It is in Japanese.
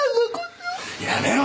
やめろ！